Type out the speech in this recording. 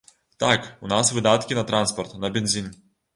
Так, у нас выдаткі на транспарт, на бензін.